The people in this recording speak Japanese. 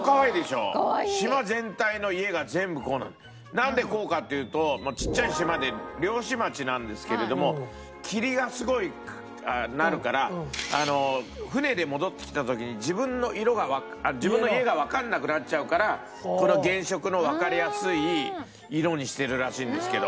なんでこうかっていうとちっちゃい島で漁師町なんですけれども霧がすごいなるから船で戻ってきた時に自分の家がわかんなくなっちゃうから原色のわかりやすい色にしてるらしいんですけど。